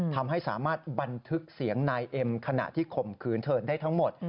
ทำให้สามารถบันทึกเสียงนายเอ็มขณะที่ข่มขืนเธอได้ทั้งหมด